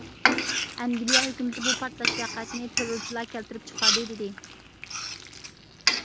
ئەنگلىيە ھۆكۈمىتى بۇ پارتلاش ۋەقەسىنى تېررورچىلار كەلتۈرۈپ چىقاردى دېدى.